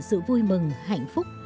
sự vui mừng hạnh phúc